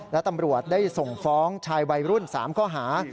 และตำรวจได้ส่งฟ้องชายวัยรุ่น๓ข้อหา